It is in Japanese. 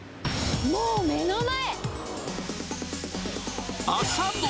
もう目の前！